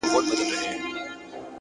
هره ورځ نوی فرصت لري.!